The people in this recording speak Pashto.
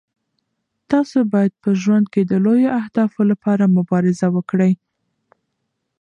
تاسو باید په ژوند کې د لویو اهدافو لپاره مبارزه وکړئ.